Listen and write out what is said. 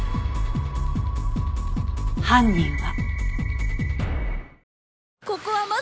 犯人は。